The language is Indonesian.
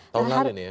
tahun lalu ini ya